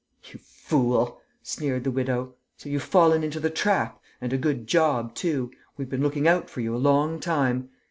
"You fool!" sneered the widow. "So you've fallen into the trap ... and a good job too! We've been looking out for you a long time.